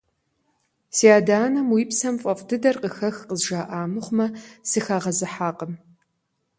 Си адэ-анэм «уи псэм фӀэфӀ дыдэр къыхэх» къызжаӀа мыхъумэ, сыхагъэзыхьакъым.